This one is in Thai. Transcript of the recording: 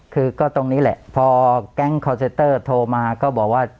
คือก็ตรงนี้แหละพอแก๊งคอร์เซนเตอร์โทรมาก็บอกว่า